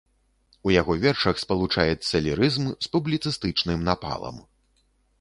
У яго вершах спалучаецца лірызм з публіцыстычным напалам.